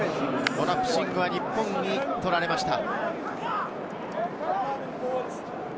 コラプシングは日本に取られました。